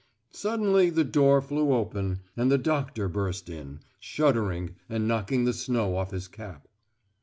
Suddenly the door flew open, and the doctor burst in, shuddering, and knocking the snow off his cap.